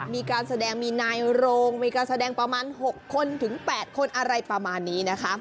มีการแสดงมีนายโรงมีการแสดงประมาณ๖คนถึง๘คนอะไรประมาณนี้นะคะ